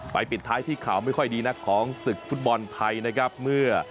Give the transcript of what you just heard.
ไปปิดท้ายที่ข่าวไม่ค่อยดีของฝุ่นมอลไทยเมื่อ